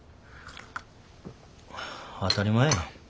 当たり前やん。